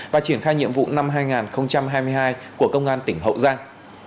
và triển khai nhiệm vụ năm hai nghìn hai mươi hai của công an tỉnh hậu giang